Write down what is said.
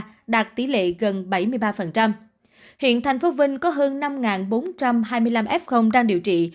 mũi ba đạt tỷ lệ gần bảy mươi ba hiện tp vinh có hơn năm bốn trăm hai mươi năm f đang điều trị